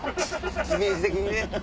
イメージ的にね。